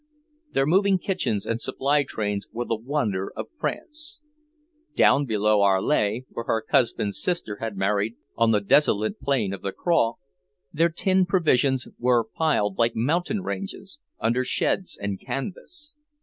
Their moving kitchens and supply trains were the wonder of France. Down below Arles, where her husband's sister had married, on the desolate plain of the Crau, their tinned provisions were piled like mountain ranges, under sheds and canvas.